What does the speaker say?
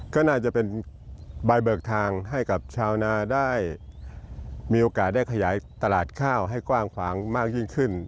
ก็น่าจะเป็นใบเบิกทางให้กับชาวนาได้มีโอกาสได้ขยายตลาดข้าวให้กว้างขวางมากยิ่งขึ้น